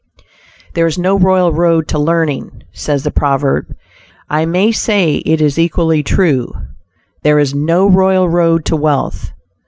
"There is no royal road to learning," says the proverb, and I may say it is equally true, "there is no royal road to wealth."